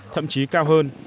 thậm chí cao hơn